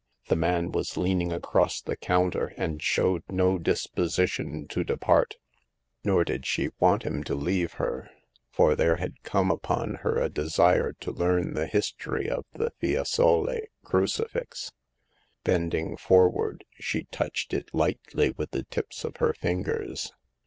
The man was leaning across the counter, and showed no disposition to depart ; nor did she want him to leave her, for there had come upon her a de sire to learn the history of the Fiesole crucifix. Bending forward, she touched it lightly with the tips of her fingers.